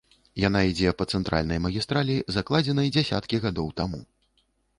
Яна ідзе па цэнтральнай магістралі, закладзенай дзясяткі гадоў таму.